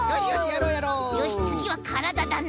よしつぎはからだだな。